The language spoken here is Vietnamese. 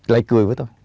lại cười với tôi